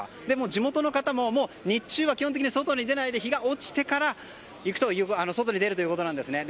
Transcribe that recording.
地元の方も日中は基本的に外に出ないで日が落ちてから外に出るということなんですね。